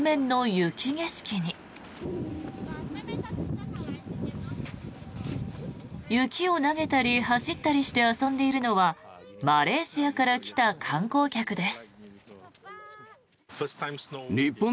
雪を投げたり走ったりして遊んでいるのはマレーシアから来た観光客です。